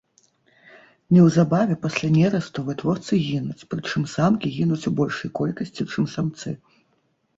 Неўзабаве пасля нерасту вытворцы гінуць, прычым самкі гінуць у большай колькасці, чым самцы.